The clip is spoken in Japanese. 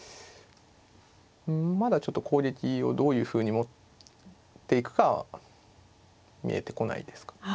うんまだちょっと攻撃をどういうふうに持っていくか見えてこないですかね。